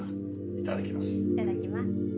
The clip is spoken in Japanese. いただきます。